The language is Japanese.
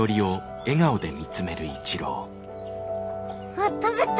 あっ食べた。